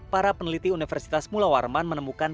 para peneliti universitas mula warman menemukan